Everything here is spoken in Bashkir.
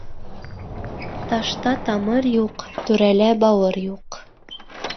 Ташта тамыр юҡ, түрәлә бауыр юҡ.